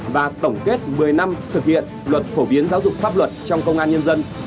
và tổng kết một mươi năm thực hiện luật phổ biến giáo dục pháp luật trong công an nhân dân